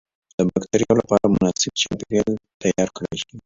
د بکترياوو لپاره مناسب چاپیریال تیار کړای شي.